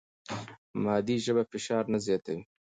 مادي ژبه فشار نه زیاتوي.